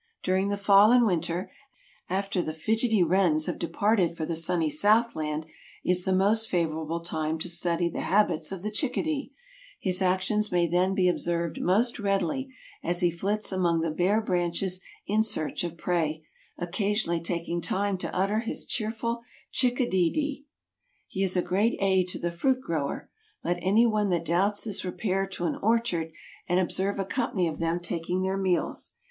During the fall and winter, after the fidgety wrens have departed for the sunny southland, is the most favorable time to study the habits of the chickadee. His actions may then be observed most readily, as he flits among the bare branches in search of prey, occasionally taking time to utter his cheerful chick adee dee. He is a great aid to the fruit grower. Let anyone that doubts this repair to an orchard and observe a company of them taking their meals.